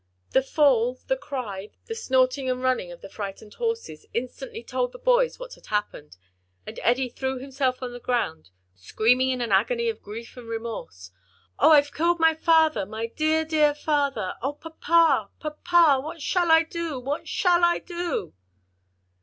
The fall, the cry, the snorting and running of the frightened horses, instantly told the boys what had happened, and Eddie threw himself on the ground screaming in an agony of grief and remorse, "O, I've killed my father, my dear, dear father! O, papa, papa! what shall I do? what shall I do?"